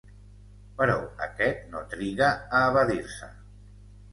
Però aquest no triga a evadir-se.